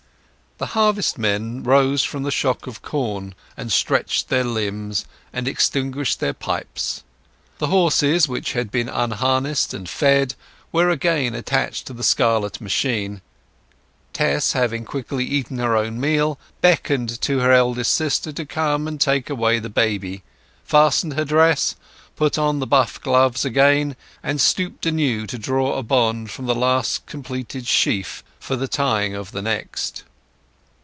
The harvest men rose from the shock of corn, and stretched their limbs, and extinguished their pipes. The horses, which had been unharnessed and fed, were again attached to the scarlet machine. Tess, having quickly eaten her own meal, beckoned to her eldest sister to come and take away the baby, fastened her dress, put on the buff gloves again, and stooped anew to draw a bond from the last completed sheaf for the tying of the next.